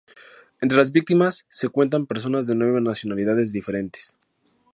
Entre las víctimas se cuentan personas de nueve nacionalidades diferentes.